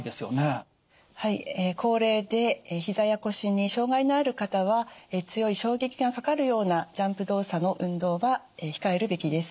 はい高齢でひざや腰に障害のある方は強い衝撃がかかるようなジャンプ動作の運動は控えるべきです。